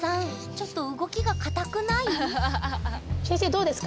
ちょっと動きが硬くない？